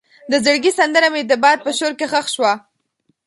د زړګي سندره مې د باد په شور کې ښخ شوه.